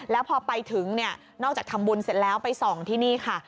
แล้วพอไปถึงเนี่ยนอกจากทำบุญเสร็จแล้วไปส่องที่นี่ค่ะ